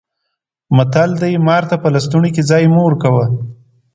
متل دی: مار ته په لستوڼي کې ځای مه ورکوه.